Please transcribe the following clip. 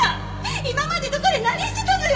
今までどこで何してたのよ！？